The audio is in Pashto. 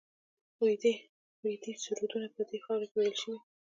ویدي سرودونه په دې خاوره کې ویل شوي